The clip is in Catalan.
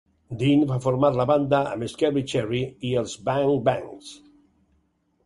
Deane va formar la banda Scary Cherry i els Bang Bangs.